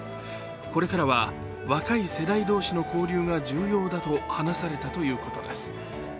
これからは若い世代同士の交流が重要だと話されたということです。